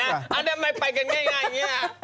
เอาไปแล้วอ้าวทำไมไปกันง่ายอย่างนี้อ่ะ